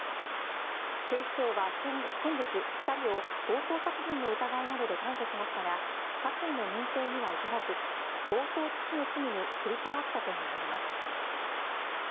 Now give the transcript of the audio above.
警視庁は先月、２人を強盗殺人の疑いなどで逮捕しましたが殺意の認定には至らず強盗致死の罪に切り替わったとみられます。